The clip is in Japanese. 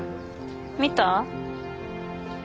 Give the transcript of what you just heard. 見た？